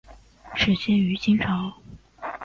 始建于清朝。